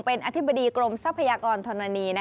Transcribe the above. เป็นอธิบดีกรมทรัพยากรธรณี